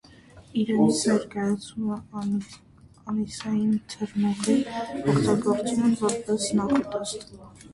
Իրենից ներկայացնում է անիսային թրմօղի, օգտագործում են որպես նախուտեստ։